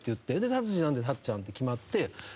「タツジ」なので「たっちゃん」って決まって。